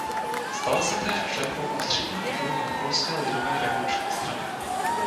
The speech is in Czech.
Stala se též členkou ústředního výboru Mongolské lidové revoluční strany.